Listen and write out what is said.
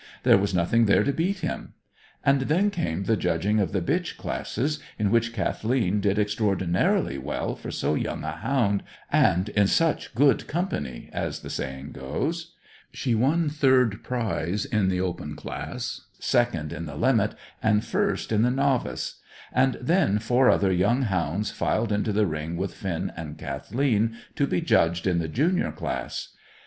There was nothing there to beat him. And then came the judging of the bitch classes, in which Kathleen did extraordinarily well for so young a hound, and in such "good company," as the saying goes. She won third prize in the Open class, second in the Limit, and first in the Novice. And then four other young hounds filed into the ring with Finn and Kathleen to be judged in the junior class.